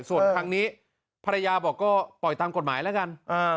ส่วนทางนี้ภรรยาบอกก็ปล่อยตามกฎหมายแล้วกัน